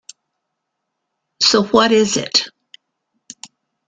So what is it?